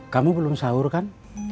kamu belum sahur kan